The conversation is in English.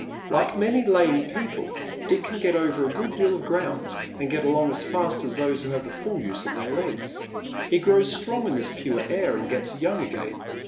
Like many lame people Dick can get over a good deal of ground, and get along as fast as those who have the full use of their legs. He grows strong in this pure air, and gets young again.